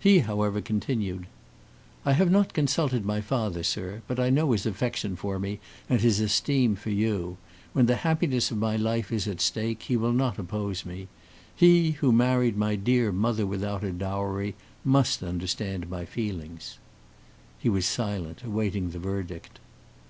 He, however, continued: "I have not consulted my father, sir; but I know his affection for me and his esteem for you. When the happiness of my life is at stake, he will not oppose me. He, who married my dear mother without a dowry, must understand my feelings." He was silent, awaiting the verdict.